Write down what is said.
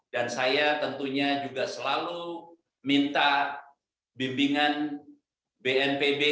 dan saya tentunya juga selalu minta bimbingan bnpb